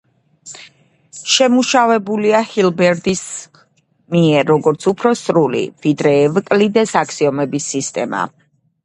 შემუშავებულია ჰილბერტის მიერ, როგორც უფრო სრული, ვიდრე ევკლიდეს აქსიომების სისტემა.